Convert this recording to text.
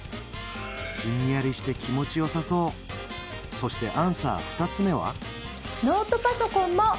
ひんやりして気持ちよさそうそしてアンサー２つ目は？